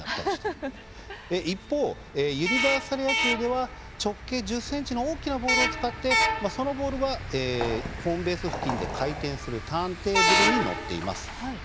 一方ユニバーサル野球では直径１０ｃｍの大きなボールを使ってそのボールはホームベース付近で回転するターンテーブルに載っています。